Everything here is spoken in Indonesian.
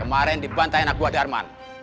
kemarin dibantah anak buah darman